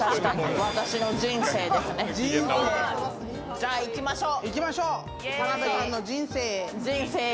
じゃ、行きましょう。